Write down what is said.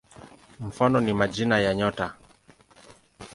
Mfano ni majina ya nyota.